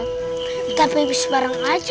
kita pipis bareng aja